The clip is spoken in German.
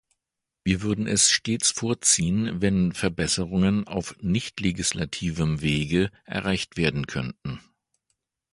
Wir würden es stets vorziehen, wenn Verbesserungen auf nichtlegislativem Wege erreicht werden könnten.